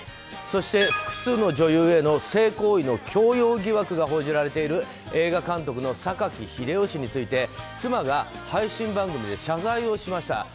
そして、複数の女優への性行為の強要疑惑が報じられている映画監督の榊英雄氏について妻が配信番組で謝罪をしました。